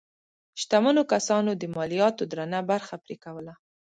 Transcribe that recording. شتمنو کسانو د مالیاتو درنه برخه پرې کوله.